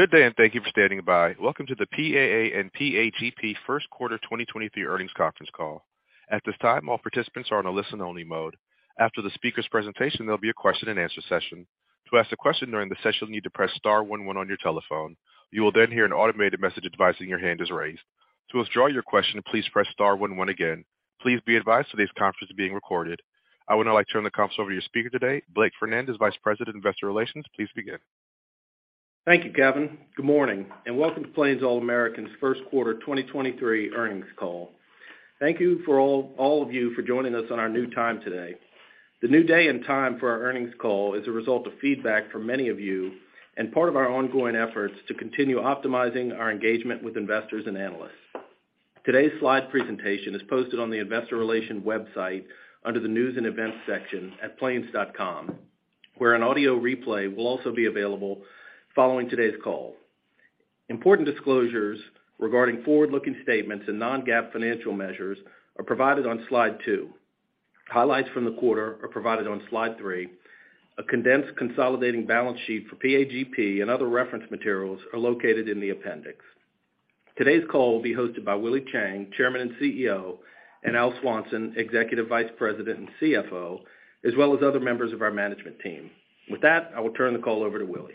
Good day, and thank you for standing by. Welcome to the PAA and PAGP Q1 2023 earnings conference call. At this time, all participants are on a listen-only mode. After the speaker's presentation, there'll be a Q&A session. To ask a question during the session, you'll need to press star 11 on your telephone. You will then hear an automated message advising your hand is raised. To withdraw your question, please press star 11 again. Please be advised today's conference is being recorded. I would now like to turn the conference over to your speaker today, Blake Fernandez, Vice President, Investor Relations. Please begin. Thank you, Kevin. Good morning, and welcome to Plains All American's 1st quarter 2023 earnings call. Thank you for all of you for joining us on our new time today. The new day and time for our earnings call is a result of feedback from many of you and part of our ongoing efforts to continue optimizing our engagement with investors and analysts. Today's slide presentation is posted on the investor relation website under the News and Events section at plains.com, where an audio replay will also be available following today's call. Important disclosures regarding forward-looking statements and non-GAAP financial measures are provided on slide 2. Highlights from the quarter are provided on slide 3. A condensed consolidating balance sheet for PAGP and other reference materials are located in the appendix. Today's call will be hosted by Willie Chiang, Chairman and CEO, and Al Swanson, Executive Vice President and CFO, as well as other members of our management team. With that, I will turn the call over to Willie.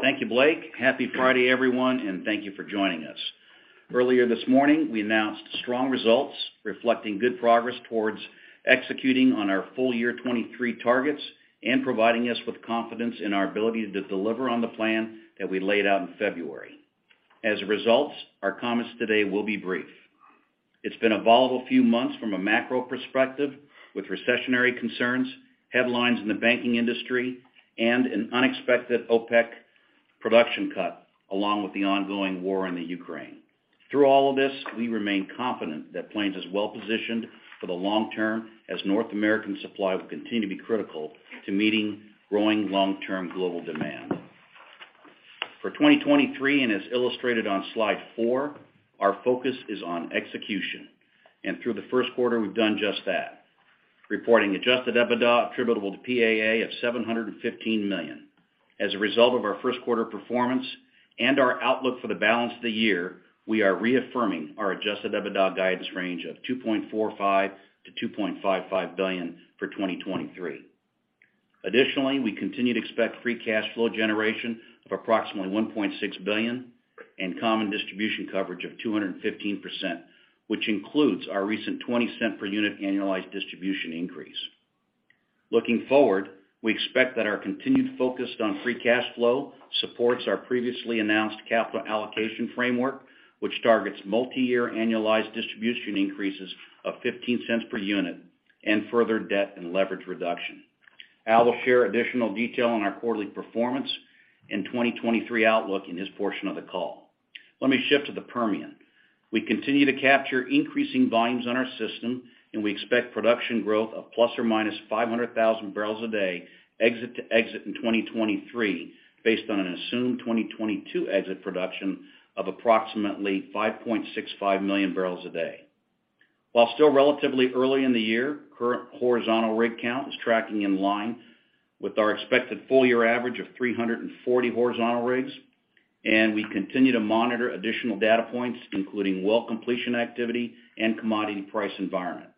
Thank you, Blake. Happy Friday, everyone, thank you for joining us. Earlier this morning, we announced strong results reflecting good progress towards executing on our full year 23 targets and providing us with confidence in our ability to deliver on the plan that we laid out in February. As a result, our comments today will be brief. It's been a volatile few months from a macro perspective, with recessionary concerns, headlines in the banking industry, and an unexpected OPEC production cut, along with the ongoing war in Ukraine. Through all of this, we remain confident that Plains is well-positioned for the long term, as North American supply will continue to be critical to meeting growing long-term global demand. For 2023, as illustrated on slide 4, our focus is on execution. Through the Q1, we've done just that, reporting adjusted EBITDA attributable to PAA of $715 million. As a result of our Q1 performance and our outlook for the balance of the year, we are reaffirming our adjusted EBITDA guidance range of $2.45 billion-$2.55 billion for 2023. We continue to expect free cash flow generation of approximately $1.6 billion and common distribution coverage of 215%, which includes our recent $0.20 per unit annualized distribution increase. Looking forward, we expect that our continued focus on free cash flow supports our previously announced capital allocation framework, which targets multiyear annualized distribution increases of $0.15 per unit and further debt and leverage reduction. Al will share additional detail on our quarterly performance in 2023 outlook in his portion of the call. Let me shift to the Permian. We continue to capture increasing volumes on our system. We expect production growth of ±500,000 barrels a day exit to exit in 2023, based on an assumed 2022 exit production of approximately 5.65 million barrels a day. While still relatively early in the year, current horizontal rig count is tracking in line with our expected full year average of 340 horizontal rigs. We continue to monitor additional data points, including well completion activity and commodity price environment.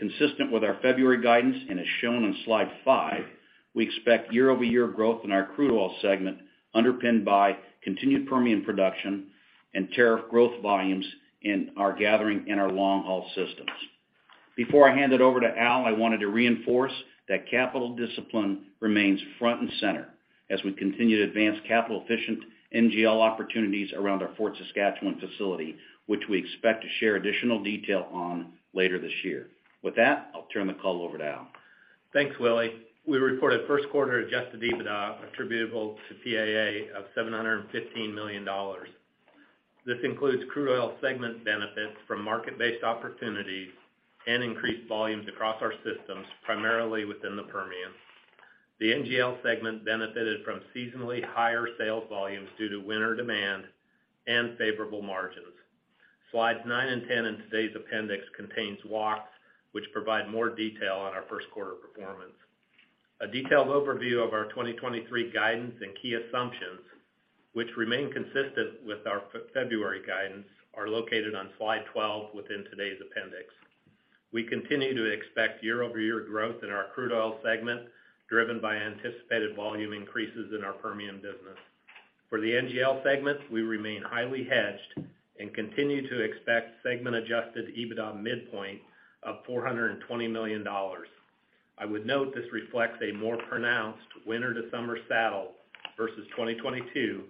Consistent with our February guidance and as shown on slide 5, we expect year-over-year growth in our crude oil segment underpinned by continued Permian production and tariff growth volumes in our gathering and our long-haul systems. Before I hand it over to Al, I wanted to reinforce that capital discipline remains front and center as we continue to advance capital-efficient NGL opportunities around our Fort Saskatchewan facility, which we expect to share additional detail on later this year. With that, I'll turn the call over to Al. Thanks, Willie. We reported Q1 Adjusted EBITDA attributable to PAA of $715 million. This includes crude oil segment benefits from market-based opportunities and increased volumes across our systems, primarily within the Permian. The NGL segment benefited from seasonally higher sales volumes due to winter demand and favorable margins. Slides 9 and 10 in today's appendix contains walks which provide more detail on our Q1 performance. A detailed overview of our 2023 guidance and key assumptions, which remain consistent with our February guidance, are located on slide 12 within today's appendix. We continue to expect year-over-year growth in our crude oil segment, driven by anticipated volume increases in our Permian business. For the NGL segment, we remain highly hedged and continue to expect segment Adjusted EBITDA midpoint of $420 million. I would note this reflects a more pronounced winter to summer saddle versus 2022,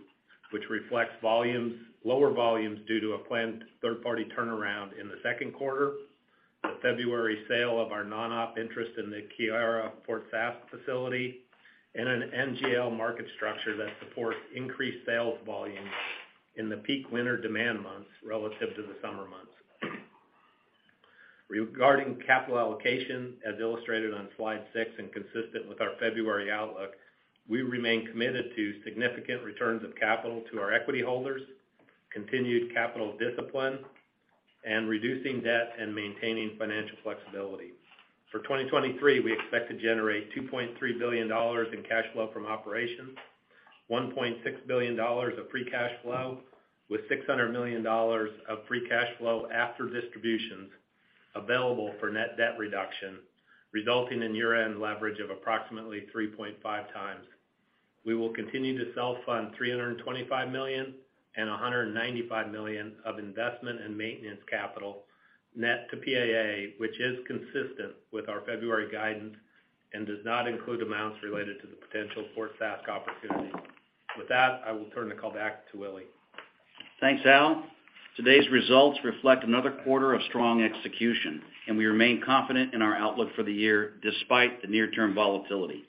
which reflects lower volumes due to a planned third-party turnaround in the Q2, the February sale of our non-op interest in the Keyera Fort Saskatchewan facility, and an NGL market structure that supports increased sales volumes in the peak winter demand months relative to the summer months. Regarding capital allocation, as illustrated on slide 6 and consistent with our February outlook, we remain committed to significant returns of capital to our equity holders, continued capital discipline. Reducing debt and maintaining financial flexibility. For 2023, we expect to generate $2.3 billion in cash flow from operations, $1.6 billion of free cash flow with $600 million of free cash flow after distributions available for net debt reduction, resulting in year-end leverage of approximately 3.5 times. We will continue to self-fund $325 million and $195 million of investment and maintenance capital net to PAA, which is consistent with our February guidance and does not include amounts related to the potential Port Sasco opportunity. With that, I will turn the call back to Willie. Thanks, Al. Today's results reflect another quarter of strong execution. We remain confident in our outlook for the year despite the near-term volatility.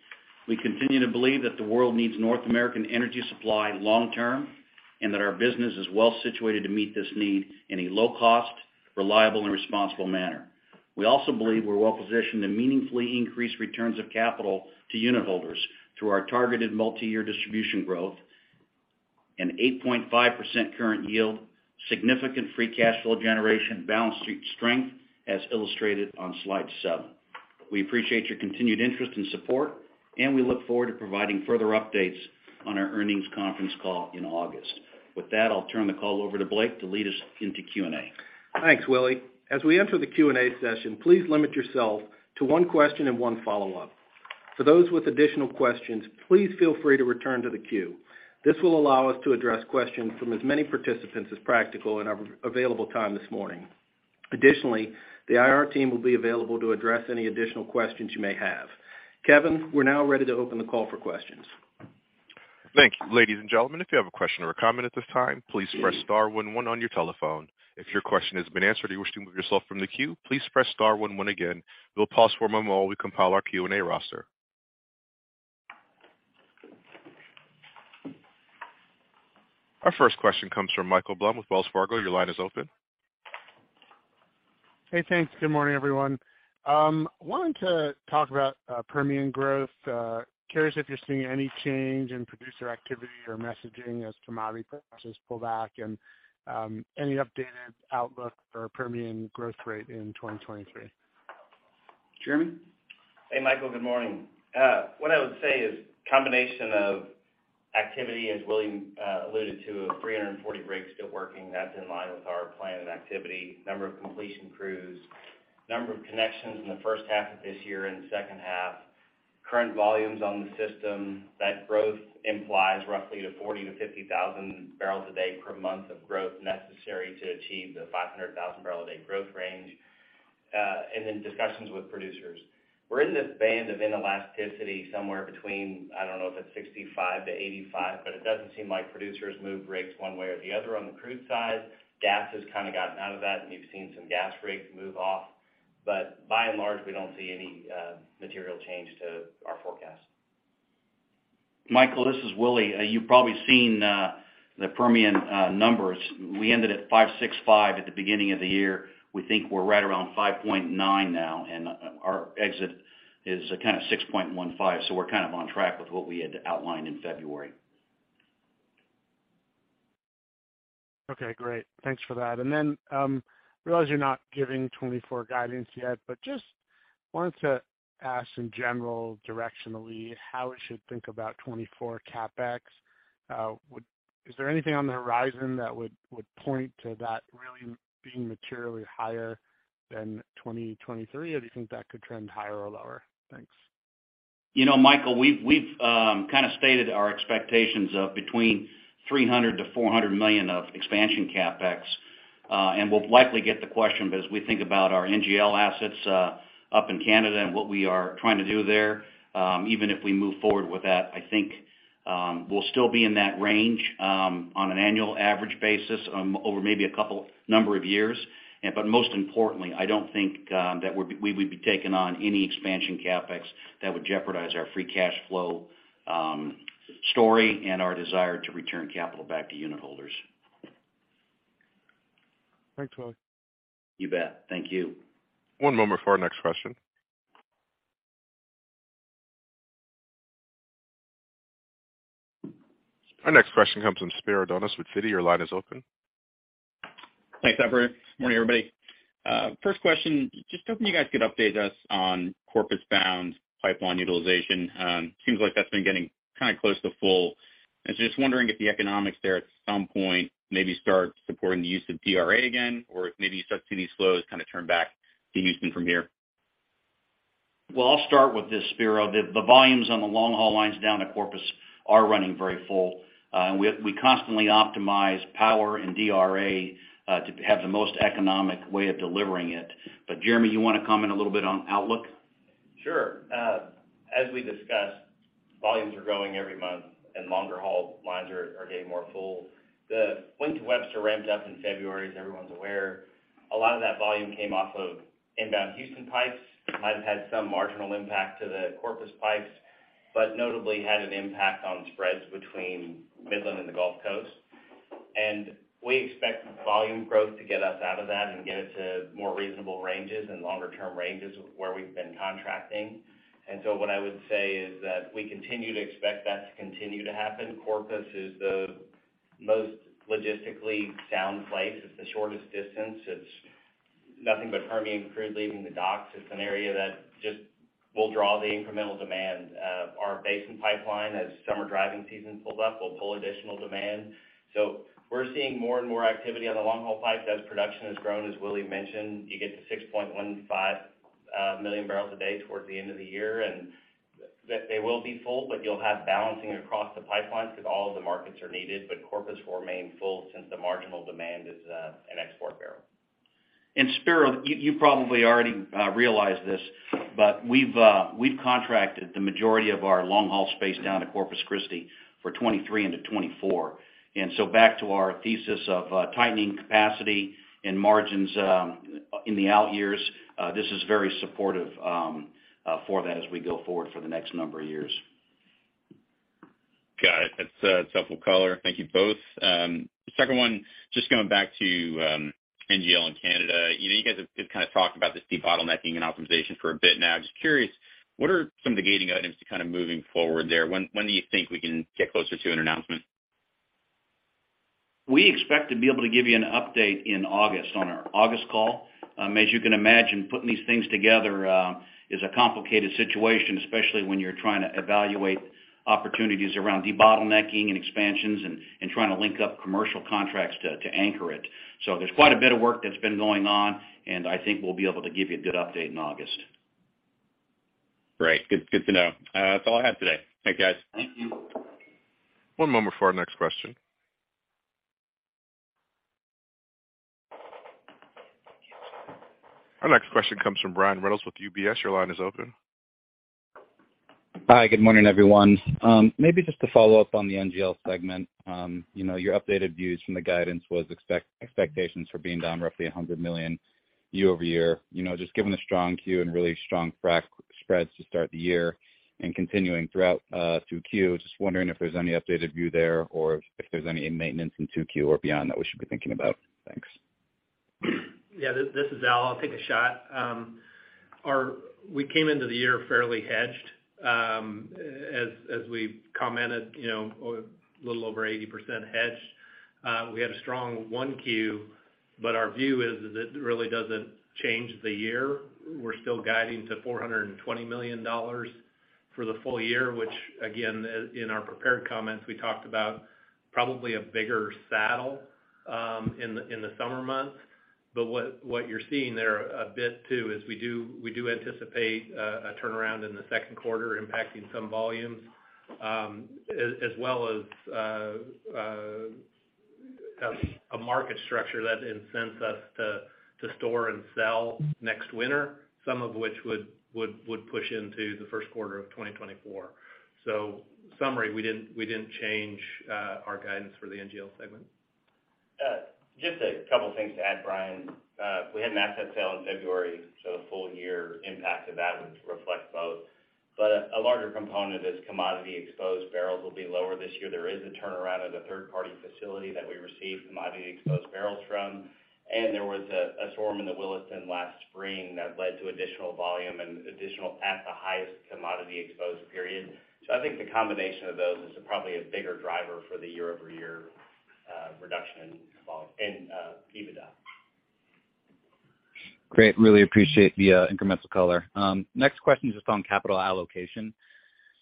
We continue to believe that the world needs North American energy supply long term. Our business is well situated to meet this need in a low cost, reliable, and responsible manner. We also believe we're well positioned to meaningfully increase returns of capital to unit holders through our targeted multiyear distribution growth and 8.5% current yield, significant free cash flow generation, balance sheet strength, as illustrated on slide 7. We appreciate your continued interest and support. We look forward to providing further updates on our earnings conference call in August. With that, I'll turn the call over to Blake to lead us into Q&A. Thanks, Willie. As we enter the Q&A session, please limit yourself to one question and one follow-up. For those with additional questions, please feel free to return to the queue. This will allow us to address questions from as many participants as practical in our available time this morning. Additionally, the IR team will be available to address any additional questions you may have. Kevin, we're now ready to open the call for questions. Thank you. Ladies and gentlemen, if you have a question or a comment at this time, please press star 11 on your telephone. If your question has been answered or you wish to move yourself from the queue, please press star 11 again. We'll pause for a moment while we compile our Q&A roster. Our first question comes from Michael Blum with Wells Fargo. Your line is open. Hey, thanks. Good morning, everyone. Wanted to talk about Permian growth. Curious if you're seeing any change in producer activity or messaging as commodity prices pull back, any updated outlook for Permian growth rate in 2023. Jeremy? Hey, Michael. Good morning. What I would say is combination of activity, as Willie alluded to, of 340 rigs still working, that's in line with our plan and activity. Number of completion crews, number of connections in the H1 of this year and the second half. Current volumes on the system, that growth implies roughly to 40,000-50,000 barrels a day per month of growth necessary to achieve the 500,000 barrel a day growth range. Discussions with producers. We're in this band of inelasticity somewhere between, I don't know if it's $65-$85, but it doesn't seem like producers move rigs one way or the other on the crude side. Gas has kind of gotten out of that, and you've seen some gas rigs move off. By and large, we don't see any material change to our forecast. Michael, this is Willie. You've probably seen the Permian numbers. We ended at 5.65 at the beginning of the year. We think we're right around 5.9 now, and our exit is kind of 6.15. We're kind of on track with what we had outlined in February. Okay, great. Thanks for that. Then, realize you're not giving 2024 guidance yet, but just wanted to ask in general directionally how we should think about 2024 CapEx. Is there anything on the horizon that would point to that really being materially higher than 2023? Or do you think that could trend higher or lower? Thanks. You know, Michael, we've kind of stated our expectations of between $300 million-$400 million of expansion CapEx. We'll likely get the question, but as we think about our NGL assets up in Canada and what we are trying to do there, even if we move forward with that, I think, we'll still be in that range on an annual average basis over maybe a couple number of years. Most importantly, I don't think that we would be taking on any expansion CapEx that would jeopardize our free cash flow story and our desire to return capital back to unit holders. Thanks, Willie. You bet. Thank you. One moment for our next question. Our next question comes from Spiro Dounis with Citi. Your line is open. Thanks, operator. Morning, everybody. First question, just hoping you guys could update us on Corpus-bound pipeline utilization? Seems like that's been getting kind of close to full. I was just wondering if the economics there at some point maybe start supporting the use of DRA again, or maybe you start to see these flows kind of turn back to Houston from here? Well, I'll start with this, Spero. The volumes on the long-haul lines down to Corpus are running very full. We constantly optimize power and DRA to have the most economic way of delivering it. Jeremy, you want to comment a little bit on outlook? Sure. As we discussed, volumes are growing every month and longer-haul lines are getting more full. The Wink to Webster ramped up in February, as everyone's aware. A lot of that volume came off of inbound Houston pipes. Might have had some marginal impact to the Corpus pipes, but notably had an impact on spreads between Midland and the Gulf Coast. We expect volume growth to get us out of that and get it to more reasonable ranges and longer-term ranges where we've been contracting. What I would say is that we continue to expect that to continue to happen. Corpus is the most logistically sound place. It's the shortest distance. It's nothing but Permian crude leaving the docks. It's an area that just will draw the incremental demand. Our Basin Pipeline, as summer driving season pulls up, will pull additional demand. We're seeing more and more activity on the long-haul pipes as production has grown, as Willie mentioned. You get to 6.15 million barrels a day towards the end of the year, and they will be full, but you'll have balancing across the pipelines because all of the markets are needed. Corpus will remain full since the marginal demand is an export barrel. Spiro, you probably already realized this, but we've contracted the majority of our long-haul space down to Corpus Christi for 2023 into 2024. Back to our thesis of tightening capacity and margins in the out years, this is very supportive for that as we go forward for the next number of years. Got it. That's helpful color. Thank you both. The second one, just going back to NGL in Canada. You know, you guys have kind of talked about this debottlenecking and optimization for a bit now. Just curious, what are some of the gating items to kind of moving forward there? When do you think we can get closer to an announcement? We expect to be able to give you an update in August on our August call. As you can imagine, putting these things together, is a complicated situation, especially when you're trying to evaluate opportunities around debottlenecking and expansions and trying to link up commercial contracts to anchor it. There's quite a bit of work that's been going on, and I think we'll be able to give you a good update in August. Great. Good, good to know. That's all I have today. Thanks, guys. Thank you. One moment for our next question. Our next question comes from Brian Reynolds with UBS. Your line is open. Hi, good morning, everyone. Maybe just to follow up on the NGL segment. You know, your updated views from the guidance was expectations for being down roughly $100 million year-over-year. You know, just given the strong Q and really strong frac spreads to start the year and continuing throughout, 2Q, just wondering if there's any updated view there or if there's any maintenance in 2Q or beyond that we should be thinking about. Thanks. Yeah, this is Al. I'll take a shot. We came into the year fairly hedged, as we've commented, you know, a little over 80% hedged. We had a strong 1Q, but our view is that it really doesn't change the year. We're still guiding to $420 million for the full year, which again, in our prepared comments, we talked about probably a bigger saddle in the summer months. What you're seeing there a bit too is we do anticipate a turnaround in the 2Q impacting some volumes, as well as a market structure that incents us to store and sell next winter, some of which would push into the 1Q 2024. Summary, we didn't change our guidance for the NGL segment. Just a couple things to add, Brian. We had an asset sale in February, the full year impact of that would reflect both. A larger component is commodity-exposed barrels will be lower this year. There is a turnaround at a third-party facility that we receive commodity-exposed barrels from. There was a storm in the Williston last spring that led to additional volume and additional at the highest commodity exposed period. I think the combination of those is probably a bigger driver for the year-over-year reduction in EBITDA. Great. Really appreciate the incremental color. Next question is just on capital allocation.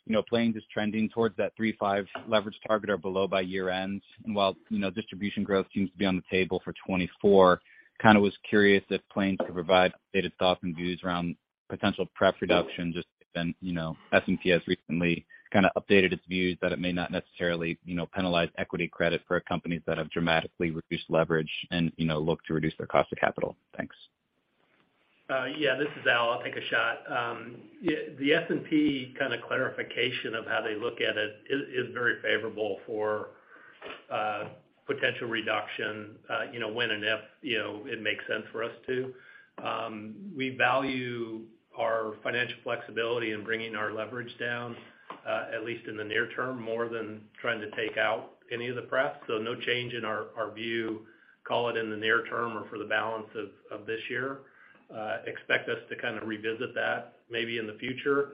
You know, Plains is trending towards that 3.5 leverage target or below by year-end. While, you know, distribution growth seems to be on the table for 2024, kind of was curious if Plains could provide updated thoughts and views around potential pref reduction just given, you know, S&P has recently kind of updated its views that it may not necessarily, you know, penalize equity credit for companies that have dramatically reduced leverage and, you know, look to reduce their cost of capital. Thanks. Yeah, this is Al. I'll take a shot. Yeah, the S&P kind of clarification of how they look at it is very favorable for potential reduction, you know, when and if, you know, it makes sense for us to. We value our financial flexibility in bringing our leverage down, at least in the near term, more than trying to take out any of the pref. No change in our view, call it in the near term or for the balance of this year. Expect us to kind of revisit that maybe in the future.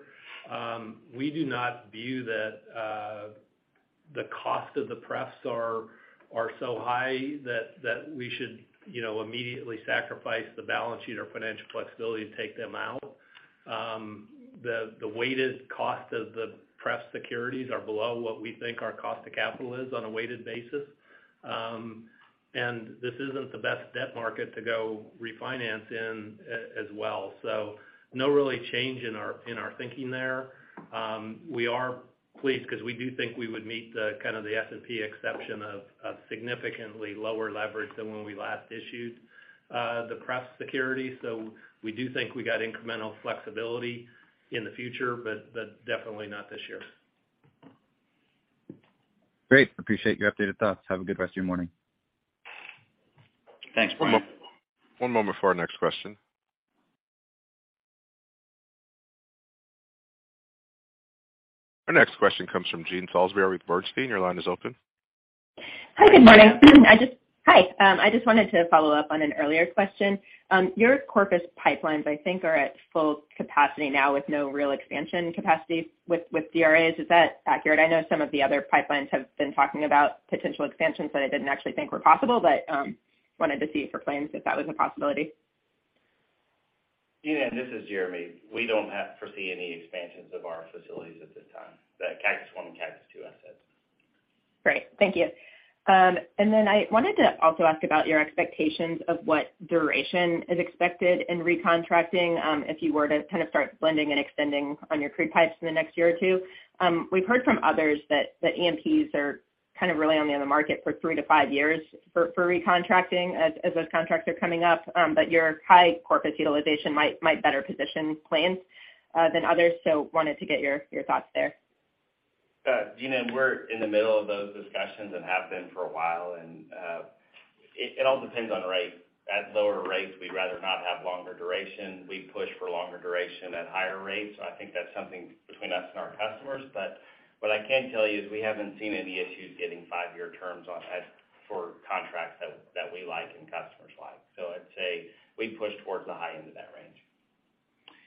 We do not view that the cost of the pref are so high that we should, you know, immediately sacrifice the balance sheet or financial flexibility to take them out. The weighted cost of the pref securities are below what we think our cost of capital is on a weighted basis. This isn't the best debt market to go refinance as well. No really change in our, in our thinking there. We are pleased because we do think we would meet the kind of the S&P exception of significantly lower leverage than when we last issued the pref security. We do think we got incremental flexibility in the future, but definitely not this year. Great. Appreciate your updated thoughts. Have a good rest of your morning. Thanks, Brian. One moment for our next question. Our next question comes from Jean Ann Salisbury with Bernstein. Your line is open. Hi, good morning. Hi, I just wanted to follow up on an earlier question. Your Corpus pipelines, I think are at full capacity now with no real expansion capacity with CRAs. Is that accurate? I know some of the other pipelines have been talking about potential expansions that I didn't actually think were possible, but wanted to see for Plains if that was a possibility. Jean Ann, this is Jeremy. We don't foresee any expansions of our facilities at this time, the Cactus I and Cactus II assets. Great. Thank you. I wanted to also ask about your expectations of what duration is expected in recontracting if you were to kind of start blending and extending on your crude pipes in the next year or 2. We've heard from others that AMPs are kind of really only on the market for 3 to 5 years for recontracting as those contracts are coming up. Your high Corpus utilization might better position Plains than others. Wanted to get your thoughts there. Jean Ann, we're in the middle of those discussions and have been for a while. It all depends on rate. At lower rates, we'd rather not have longer duration. We push for longer duration at higher rates. I think that's something between us and our customers. What I can tell you is we haven't seen any issues getting 5-year terms on for contracts that we like and customers like. I'd say we push towards the high end of that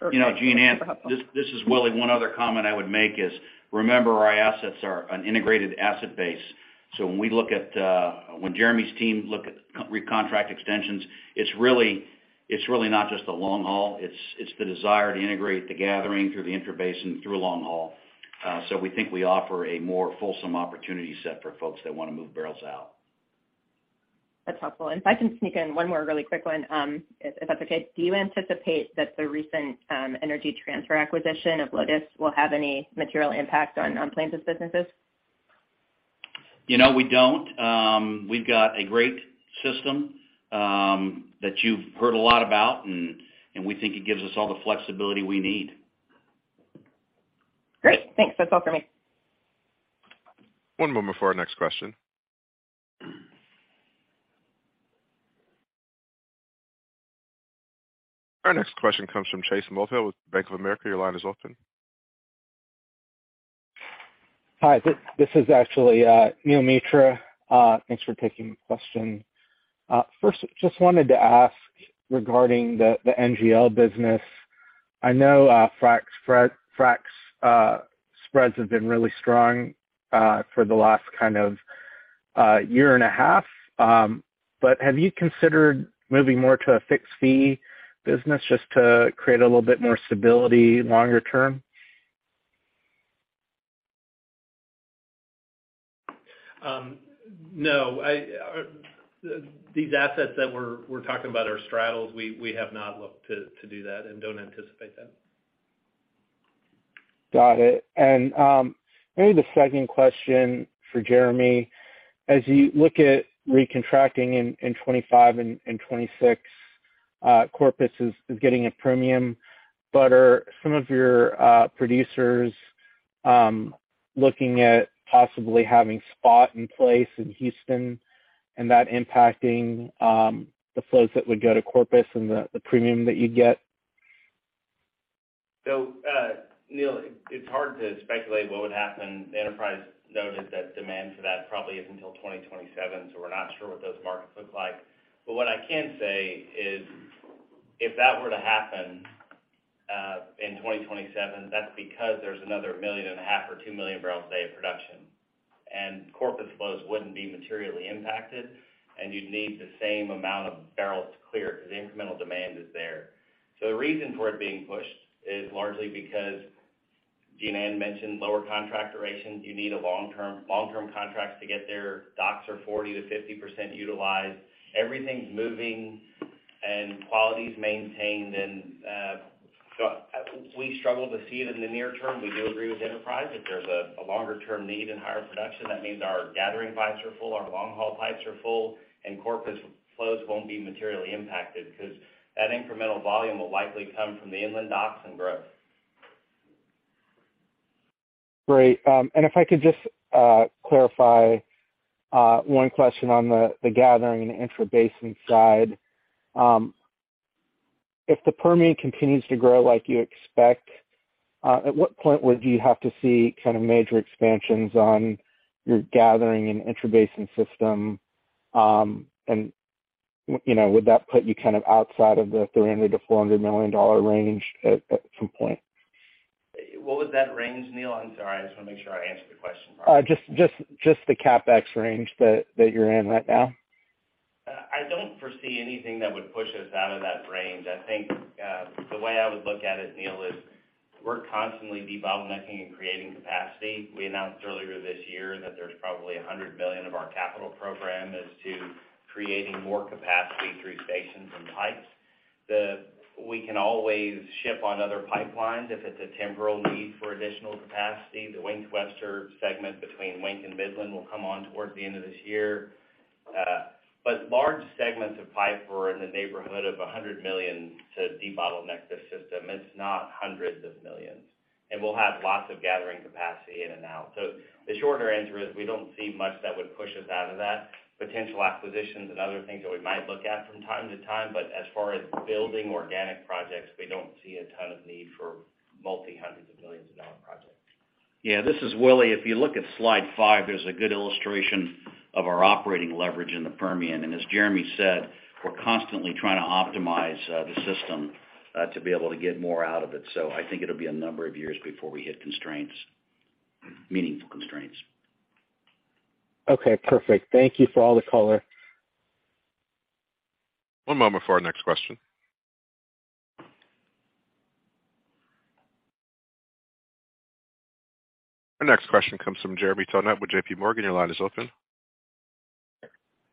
range. Okay. You know, Jean Ann, this is Willie. One other comment I would make is, remember our assets are an integrated asset base. When Jeremy's team look at recontract extensions, it's really not just the long haul, it's the desire to integrate the gathering through the intrabasin, through long haul. We think we offer a more fulsome opportunity set for folks that wanna move barrels out. That's helpful. If I can sneak in one more really quick one, if that's okay. Do you anticipate that the recent Energy Transfer acquisition of Lotus Midstream will have any material impact on Plains' businesses? You know, we don't. We've got a great system, that you've heard a lot about and we think it gives us all the flexibility we need. Great. Thanks. That's all for me. One moment for our next question. Our next question comes from Chase Mulvehill with Bank of America. Your line is open. Hi, this is actually Neil Mehta. Thanks for taking the question. First, just wanted to ask regarding the NGL business. I know, fracs spreads have been really strong for the last kind of year and a half. Have you considered moving more to a fixed fee business just to create a little bit more stability longer term? No. I, these assets that we're talking about are straddles. We have not looked to do that and don't anticipate that. Got it. Maybe the second question for Jeremy. As you look at recontracting in 25 and 26, Corpus is getting a premium, but are some of your producers looking at possibly having spot in place in Houston and that impacting the flows that would go to Corpus and the premium that you'd get? Neil Mehta, it's hard to speculate what would happen. The Enterprise noted that demand for that probably isn't until 2027, so we're not sure what those markets look like. What I can say is, if that were to happen in 2027, that's because there's another 1.5 million or 2 million barrels a day of production. Corpus flows wouldn't be materially impacted, and you'd need the same amount of barrels to clear it because the incremental demand is there. The reason for it being pushed is largely because Jean Ann mentioned lower contract durations. You need a long-term contracts to get there. Docks are 40%-50% utilized. Everything's moving and quality is maintained. We struggle to see it in the near term. We do agree with Enterprise. If there's a longer-term need and higher production, that means our gathering pipes are full, our long-haul pipes are full, and Corpus flows won't be materially impacted because that incremental volume will likely come from the inland docks and growth. Great. If I could just clarify one question on the gathering intrabasin side. If the Permian continues to grow like you expect, at what point would you have to see kind of major expansions on your gathering and intrabasin system? You know, would that put you kind of outside of the $300 million-$400 million range at some point? What was that range, Neil Mehta? I'm sorry. I just wanna make sure I answer the question properly. just the CapEx range that you're in right now. I don't foresee anything that would push us out of that range. I think, the way I would look at it, Neal, is we're constantly debottlenecking and creating capacity. We announced earlier this year that there's probably $100 million of our capital program is to creating more capacity through stations and pipes. We can always ship on other pipelines if it's a temporal need for additional capacity. The Wink to Webster segment between Wink and Midland will come on towards the end of this year. Large segments of pipe were in the neighborhood of $100 million to debottleneck the system. It's not hundreds of millions. We'll have lots of gathering capacity in and out. The shorter answer is we don't see much that would push us out of that. Potential acquisitions and other things that we might look at from time to time, but as far as building organic projects, we don't see a ton of need for multi-hundreds of millions of dollar projects. Yeah, this is Willie. If you look at slide 5, there's a good illustration of our operating leverage in the Permian. As Jeremy said, we're constantly trying to optimize the system to be able to get more out of it. I think it'll be a number of years before we hit constraints, meaningful constraints. Okay, perfect. Thank you for all the color. One moment for our next question. Our next question comes from Jeremy Tonet with J.P. Morgan. Your line is open.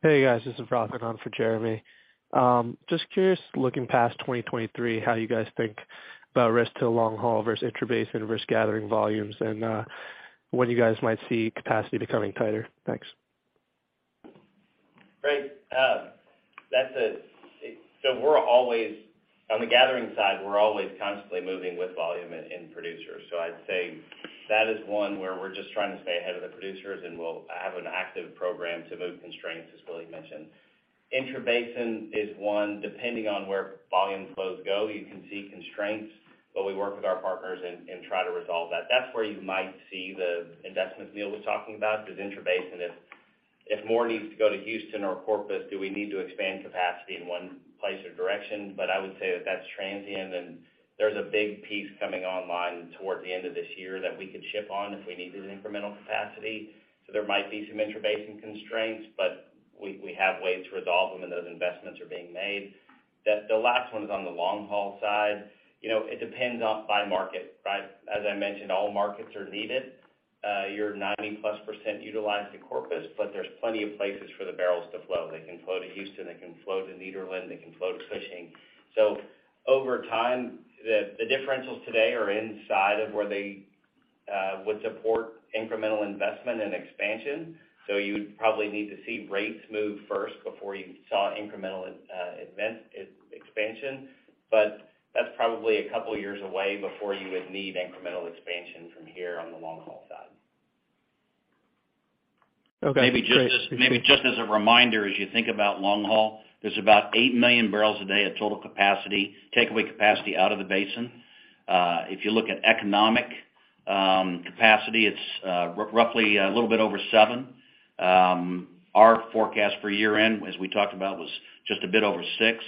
Hey, guys. This is Ross, and on for Jeremy. Just curious, looking past 2023, how you guys think about risk to long haul versus intrabasin versus gathering volumes and, when you guys might see capacity becoming tighter? Thanks. Great. On the gathering side, we're always constantly moving with volume in producers. I'd say that is one where we're just trying to stay ahead of the producers, and we'll have an active program to move constraints, as Willie mentioned. Intrabasin is one, depending on where volumes flows go, you can see constraints, but we work with our partners and try to resolve that. That's where you might see the investments Neil was talking about, is intrabasin. If more needs to go to Houston or Corpus, do we need to expand capacity in one place or direction? I would say that that's transient, and there's a big piece coming online toward the end of this year that we could ship on if we needed incremental capacity. There might be some intrabasin constraints, but we have ways to resolve them, and those investments are being made. The last one is on the long haul side. You know, it depends on by market, right? As I mentioned, all markets are needed. You're 90%+ utilized to Corpus, but there's plenty of places for the barrels to flow. They can flow to Houston, they can flow to Nederland, they can flow to Cushing. Over time, the differentials today are inside of where they would support incremental investment and expansion. You would probably need to see rates move first before you saw incremental expansion. That's probably a couple years away before you would need incremental expansion from here on the long haul side. Okay. Maybe just as, maybe just as a reminder, as you think about long haul, there's about 8 million barrels a day of total capacity, takeaway capacity out of the basin. If you look at economic capacity, it's roughly a little bit over 7 million. Our forecast for year-end, as we talked about, was just a bit over 6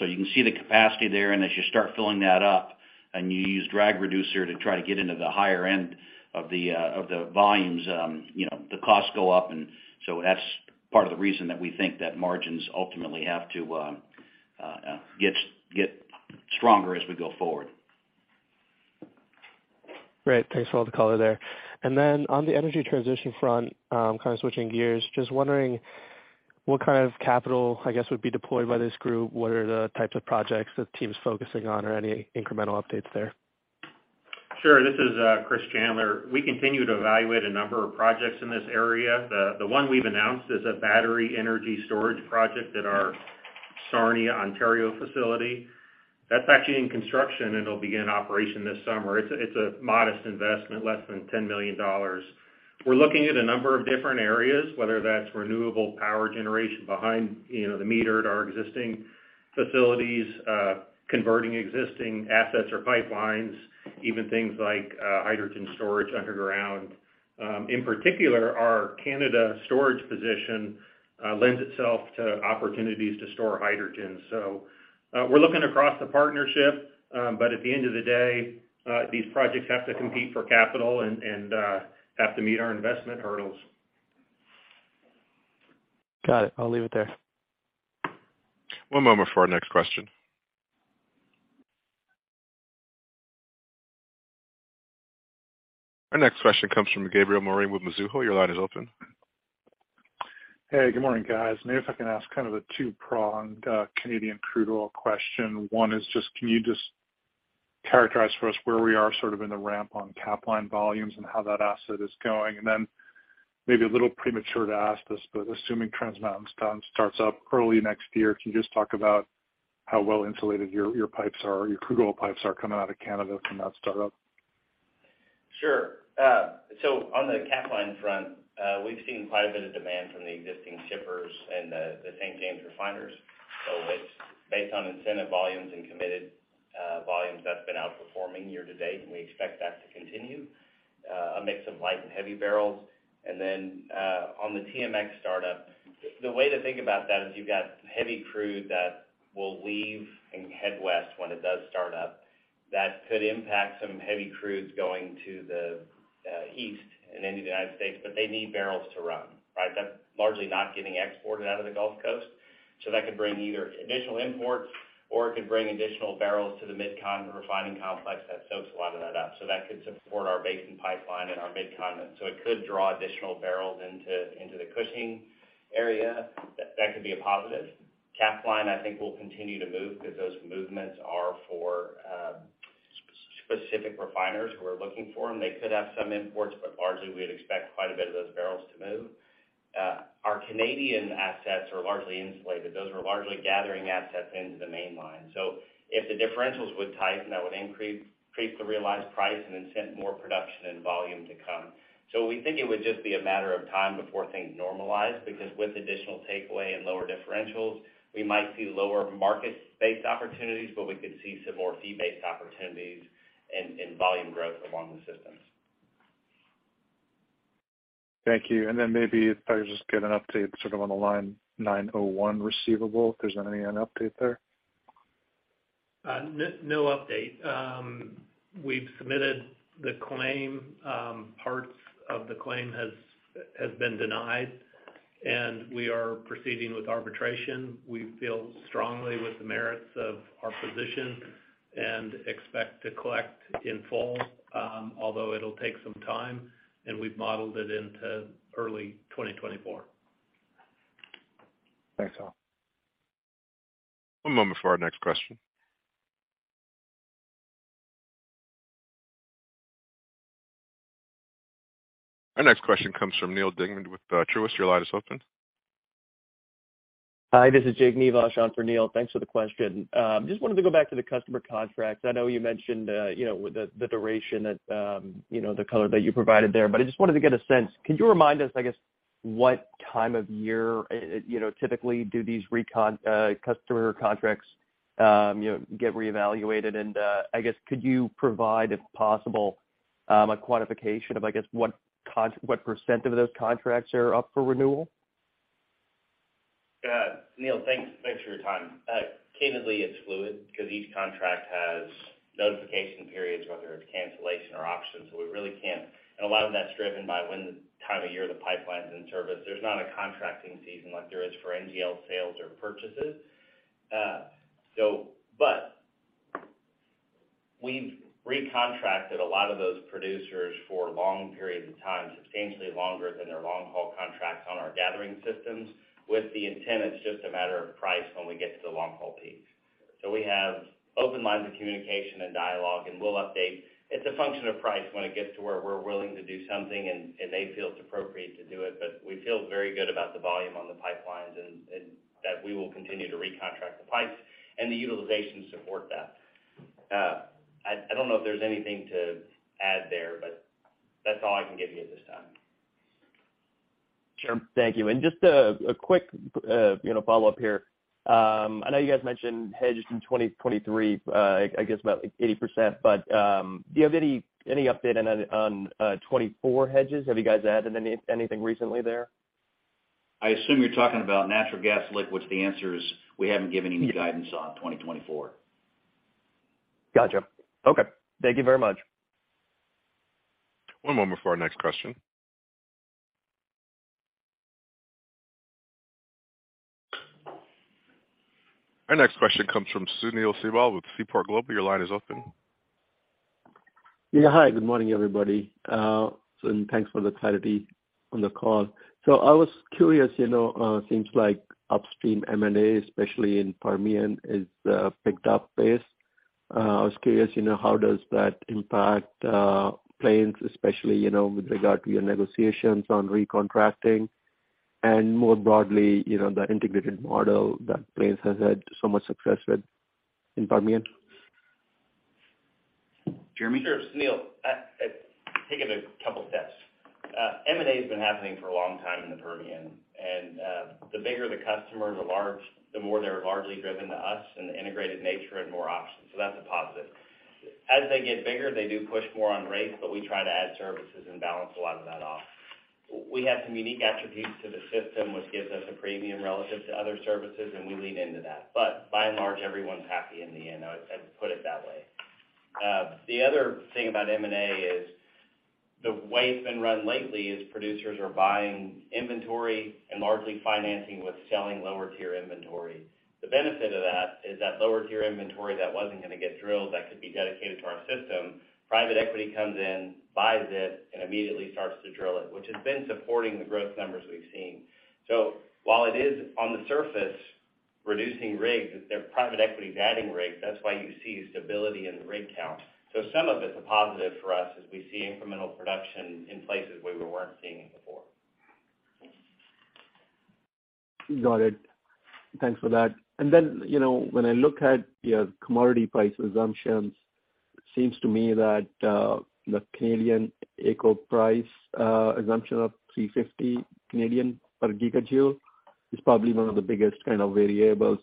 million. You can see the capacity there, and as you start filling that up and you use drag reducer to try to get into the higher end of the volumes, you know, the costs go up. That's part of the reason that we think that margins ultimately have to get stronger as we go forward. Great. Thanks for all the color there. Then on the energy transition front, kind of switching gears, just wondering what kind of capital, I guess, would be deployed by this group? What are the types of projects the team's focusing on, or any incremental updates there? Sure. This is Chris Chandler. We continue to evaluate a number of projects in this area. The, the one we've announced is a battery energy storage project at our Sarnia, Ontario facility. That's actually in construction, and it'll begin operation this summer. It's a, it's a modest investment, less than $10 million. We're looking at a number of different areas, whether that's renewable power generation behind, you know, the meter at our existing facilities, converting existing assets or pipelines, even things like hydrogen storage underground. In particular, our Canada storage position lends itself to opportunities to store hydrogen. We're looking across the partnership, at the end of the day, these projects have to compete for capital and have to meet our investment hurdles. Got it. I'll leave it there. One moment for our next question. Our next question comes from Gabriel Moreen with Mizuho. Your line is open. Hey, good morning, guys. Maybe if I can ask kind of a 2-pronged Canadian crude oil question. One is just, can you just characterize for us where we are sort of in the ramp on Capline volumes and how that asset is going? Then maybe a little premature to ask this, but assuming Trans Mountain starts up early next year, can you just talk about how well insulated your pipes are, your crude oil pipes are coming out of Canada from that start-up? Sure. On the Capline front, we've seen quite a bit of demand from the existing shippers and the same game refiners. It's based on incentive volumes and committed volumes, that's been outperforming year-to-date, and we expect that to continue. A mix of light and heavy barrels. On the TMX start-up, the way to think about that is you've got heavy crude that will leave and head west when it does start up. That could impact some heavy crudes going to the east and into the United States, but they need barrels to run, right? That's largely not getting exported out of the Gulf Coast. That could bring either additional imports or it could bring additional barrels to the MidCon refining complex that soaks a lot of that up. That could support our Basin Pipeline and our MidContinent. It could draw additional barrels into the Cushing area. That could be a positive. Capline, I think, will continue to move because those movements are for specific refiners who are looking for them. They could have some imports, but largely we'd expect quite a bit of those barrels to move. Our Canadian assets are largely insulated. Those are largely gathering assets into the mainline. If the differentials would tighten, that would increase the realized price and incent more production and volume to come. We think it would just be a matter of time before things normalize, because with additional takeaway and lower differentials, we might see lower market-based opportunities, but we could see some more fee-based opportunities and volume growth along the systems. Thank you. Then maybe if I could just get an update sort of on the Line 901 receivable, if there's any, an update there? No update. We've submitted the claim. Parts of the claim has been denied. We are proceeding with arbitration. We feel strongly with the merits of our position and expect to collect in full, although it'll take some time. We've modeled it into early 2024. Thanks all. One moment for our next question. Our next question comes from Neal Dingmann with Truist. Your line is open. Hi, this is Jake Nivush on for Neil. Thanks for the question. I just wanted to go back to the customer contracts. I know you mentioned, you know, the duration that, you know, the color that you provided there. I just wanted to get a sense. Could you remind us, I guess, what time of year, you know, typically do these customer contracts, you know, get reevaluated? I guess, could you provide, if possible, a quantification of, I guess, what what % of those contracts are up for renewal? Yeah. Neal, thanks for your time. Candidly, it's fluid because each contract has notification periods, whether it's cancellation or options. We really can't. A lot of that's driven by when the time of year the pipeline's in service. There's not a contracting season like there is for NGL sales or purchases. We've recontracted a lot of those producers for long periods of time, substantially longer than their long-haul contracts on our gathering systems, with the intent, it's just a matter of price when we get to the long-haul peak. We have open lines of communication and dialogue, and we'll update. It's a function of price when it gets to where we're willing to do something and they feel it's appropriate to do it. We feel very good about the volume on the pipelines and that we will continue to recontract the pipes and the utilization support that. I don't know if there's anything to add there, but that's all I can give you at this time. Sure. Thank you. Just a quick, you know, follow-up here. I know you guys mentioned hedges in 2023, I guess about, like, 80%. Do you have any update on 2024 hedges? Have you guys added anything recently there? I assume you're talking about natural gas liquids. The answer is, we haven't given any guidance on 2024. Gotcha. Okay. Thank you very much. One moment for our next question. Our next question comes from Sunil Sibal with Seaport Global. Your line is open. Yeah. Hi, good morning, everybody. Thanks for the clarity on the call. I was curious, you know, seems like upstream M&A, especially in Permian, is picked up pace. I was curious, you know, how does that impact Plains, especially, you know, with regard to your negotiations on recontracting and more broadly, you know, the integrated model that Plains has had so much success with in Permian? Jeremy? Sure. Sunil, take it a couple steps. M&A has been happening for a long time in the Permian, the bigger the customer, the more they're largely driven to us and the integrated nature and more options. That's a positive. As they get bigger, they do push more on rates, but we try to add services and balance a lot of that off. We have some unique attributes to the system, which gives us a premium relative to other services, and we lean into that. By and large, everyone's happy in the end. I'd put it that way. The other thing about M&A is the way it's been run lately is producers are buying inventory and largely financing with selling lower-tier inventory. The benefit of that is that lower-tier inventory that wasn't gonna get drilled, that could be dedicated to our system. Private equity comes in, buys it, and immediately starts to drill it, which has been supporting the growth numbers we've seen. While it is on the surface reducing rigs, they're private equity adding rigs. That's why you see stability in the rig count. Some of it's a positive for us as we see incremental production in places where we weren't seeing it before. Got it. Thanks for that. you know, when I look at your commodity price assumptions, it seems to me that the Canadian AECO price assumption of 3.50 per gigajoule is probably one of the biggest kind of variables.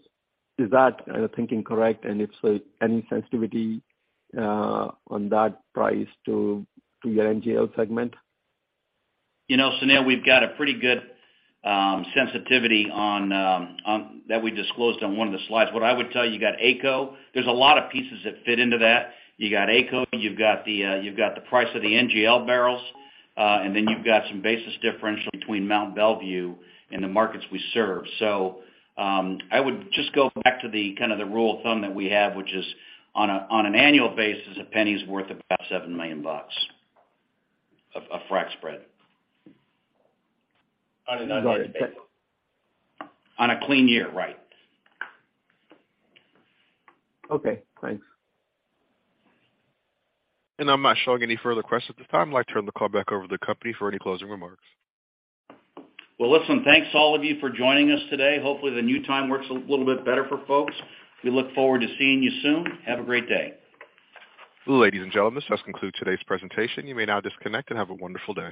Is that kind of thinking correct? If so, any sensitivity on that price to your NGL segment? You know, Sunil, we've got a pretty good sensitivity on that we disclosed on one of the slides. What I would tell you got AECO. There's a lot of pieces that fit into that. You got AECO, you've got the price of the NGL barrels, and then you've got some basis differential between Mont Belvieu and the markets we serve. I would just go back to the kind of the rule of thumb that we have, which is on an annual basis, a penny's worth about $7 million of frac spread. Got it. On an annual basis. On a clean year, right. Okay, thanks. I'm not showing any further questions at this time. I'd like to turn the call back over to the company for any closing remarks. Listen, thanks all of you for joining us today. Hopefully, the new time works a little bit better for folks. We look forward to seeing you soon. Have a great day. Ladies and gentlemen, this does conclude today's presentation. You may now disconnect and have a wonderful day.